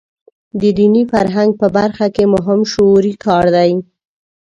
د دیني فرهنګ په برخه کې مهم شعوري کار دی.